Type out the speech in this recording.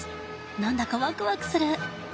何だかワクワクする。